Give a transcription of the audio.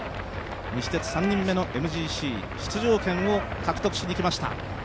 西鉄３人目のＭＧＣ出場権を獲得しに来ました。